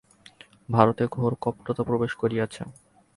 ভারতে ঘোর কপটতা প্রবেশ করিয়াছে।